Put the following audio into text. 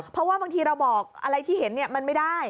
เพราะว่าบางทีเราบอกอะไรที่เห็นมันไม่ได้